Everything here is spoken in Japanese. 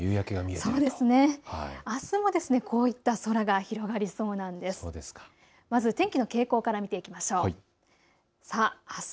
あすも、こういった空が広がりそうなんです。